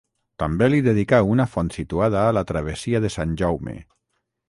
També li dedicà una font situada a la travessia de Sant Jaume.